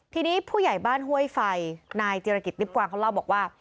ทีนี้ผู้ใหญ่บ้านห้วยไฟนายเจรกิจติ๊บกวางเขาเล่าบอกว่า